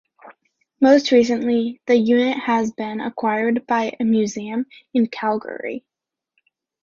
More recently, the unit has been acquired by a museum in Calgary.